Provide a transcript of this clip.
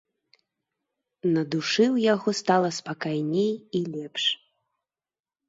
На душы ў яго стала спакайней і лепш.